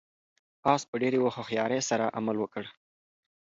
آس په ډېرې هوښیارۍ سره عمل وکړ.